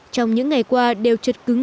trong những ngày qua đều trật cứng